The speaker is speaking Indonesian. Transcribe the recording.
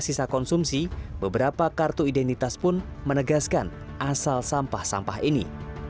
sisa konsumsi beberapa kartu identitas pun menegaskan asal sampah sampah ini